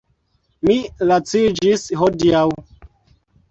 Mi laciĝis hodiaŭ.